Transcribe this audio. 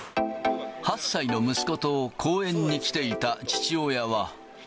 ８歳の息子と公園に来ていた父親は。